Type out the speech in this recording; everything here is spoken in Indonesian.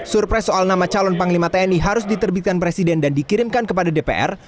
surpres soal nama calon panglima tni harus diterbitkan presiden dan dikirimkan kepada dpr